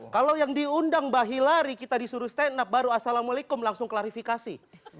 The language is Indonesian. kalau yang diundang mbah hilari kita disuruh stand up baru assalamualaikum langsung klarifikasi